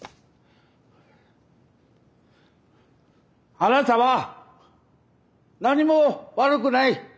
「あなたは何も悪くない。